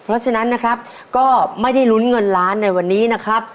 เพราะฉะนั้นนะครับก็ไม่ได้ลุ้นเงินล้านในวันนี้นะครับ